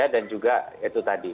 dan juga itu tadi